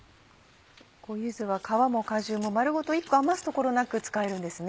柚子は皮も果汁も丸ごと１個余す所なく使えるんですね。